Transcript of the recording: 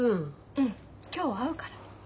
うん今日会うから。